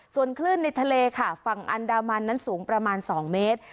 ส่วนคลื่นในทะเลค่ะฝั่งอันดามันนั้นสูงประมาณ๒เมตร